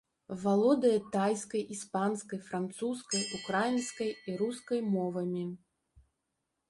Валодае тайскай, іспанскай, французскай, украінскай і рускай мовамі.